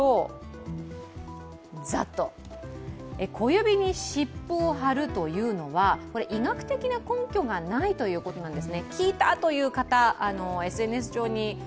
小指に湿布を貼るは医学的な根拠がないということなんです。